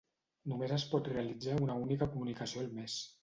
Només es pot realitzar una única comunicació al mes.